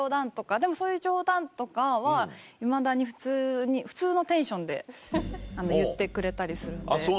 でもそういう冗談とかはいまだに普通に普通のテンションで言ってくれたりするんで。